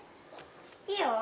いいよ。